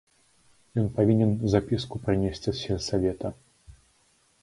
Ён павінен запіску прынесці з сельсавета.